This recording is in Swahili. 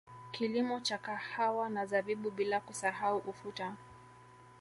Kilimo cha kahawa na zabibu bila kusahau ufuta